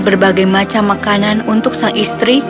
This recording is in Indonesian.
berbagai macam makanan untuk sang istri